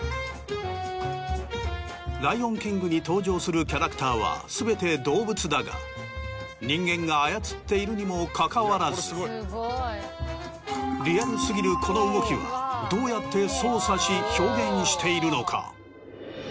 『ライオンキング』に登場するキャラクターは全て動物だが人間が操っているにもかかわらずリアル過ぎるこの動きはどうやって操作し表現しているのか？